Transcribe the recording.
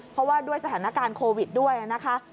เพราะว่าด้วยสถานการณ์โควิดด้วยนะคะ